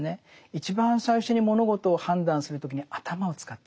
一番最初に物事を判断する時に頭を使っちゃう。